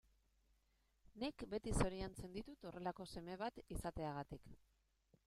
Nik beti zoriontzen ditut horrelako seme bat izateagatik.